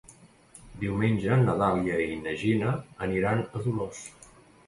Diumenge na Dàlia i na Gina aniran a Dolors.